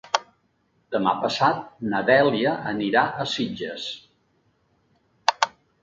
Demà passat na Dèlia anirà a Sitges.